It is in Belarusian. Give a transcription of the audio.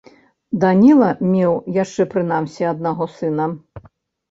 Даніла меў яшчэ прынамсі аднаго сына.